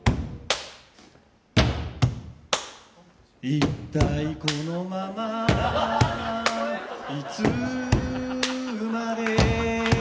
一体このままいつまで